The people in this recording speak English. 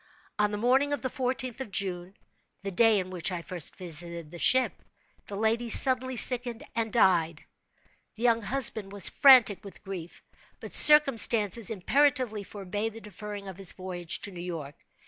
On the morning of the fourteenth of June (the day in which I first visited the ship), the lady suddenly sickened and died. The young husband was frantic with grief—but circumstances imperatively forbade the deferring his voyage to New York.